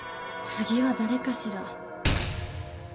次は誰かしら？